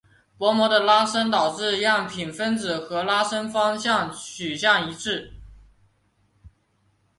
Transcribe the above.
薄膜的拉伸导致样品分子和拉伸方向取向一致。